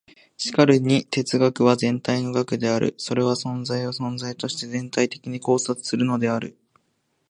しかるに哲学は全体の学である。それは存在を存在として全体的に考察するのである。